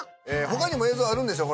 他にも映像あるんでしょ？